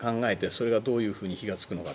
それがどういうふうに火がつくのか。